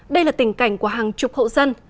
đây là tình cảnh của hàng chục hậu dân